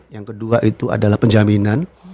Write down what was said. yang kedua itu adalah penjaminan